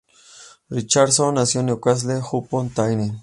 Richardson nació en Newcastle upon Tyne.